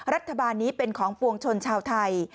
รัฐบาลนี้เป็นของปวงชนชาวไทย